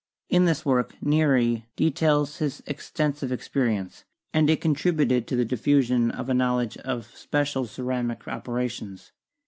In this work, Neri details his extensive experience, and it contributed to the diffusion of a knowledge of special ceramic operations.